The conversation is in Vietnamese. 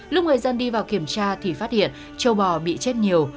lúc người dân đi vào kiểm tra thì phát hiện châu bò bị chết nhiều